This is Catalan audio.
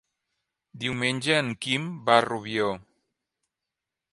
Diumenge en Quim va a Rubió.